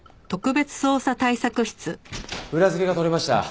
裏付けが取れました。